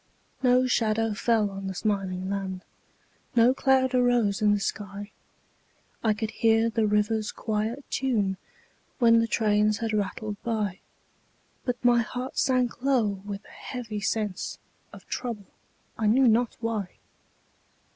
No shadow fell on the smiling land, No cloud arose in the sky; I could hear the river's quiet tune When the trains had rattled by; But my heart sank low with a heavy sense Of trouble, I knew not why.